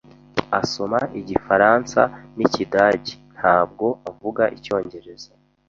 Asoma Igifaransa n'Ikidage, ntabwo avuga Icyongereza.